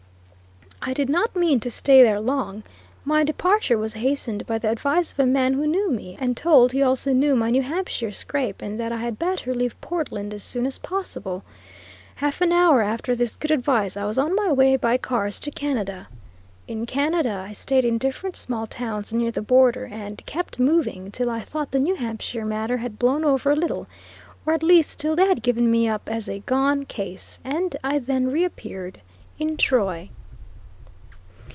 I did not mean to stay there long. My departure was hastened by the advice of a man who knew me, and told he also knew my New Hampshire scrape, and that I had better leave Portland as soon as possible. Half an hour after this good advice I was on my way by cars to Canada. In Canada I stayed in different small towns near the border, and "kept moving," till I thought the New Hampshire matter had blown over a little, or at least till they had given me up as a "gone case," and I then reappeared in Troy.